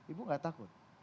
ibu gak takut